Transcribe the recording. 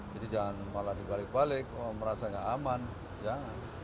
jadi jangan malah dibalik balik merasa gak aman jangan